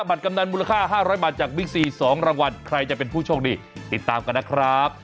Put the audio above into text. กำนันมูลค่า๕๐๐บาทจากบิ๊กซี๒รางวัลใครจะเป็นผู้โชคดีติดตามกันนะครับ